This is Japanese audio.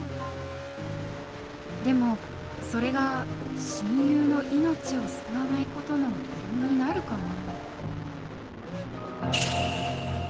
でもそれが親友の命を救わない事の理由になるかな。